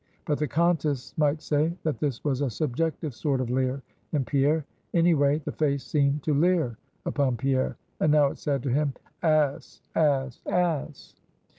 But the Kantists might say, that this was a subjective sort of leer in Pierre. Any way, the face seemed to leer upon Pierre. And now it said to him _Ass! ass! ass!